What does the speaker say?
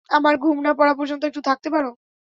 আমার ঘুম না পড়া পর্যন্ত একটু থাকতে পারো।